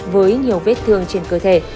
với nhiều vết thương trên cơ thể